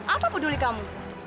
apa peduli kamu